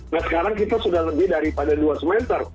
nah sekarang kita sudah lebih daripada dua semester